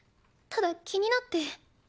ただ気になって。